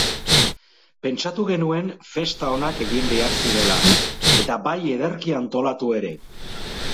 Pentsatu genuen festa onak egin behar zirela, eta bai ederki antolatu ere